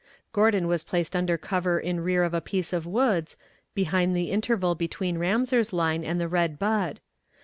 Gordon was placed under cover in rear of a piece of woods, behind the interval between Ramseur's line and the Red Bud.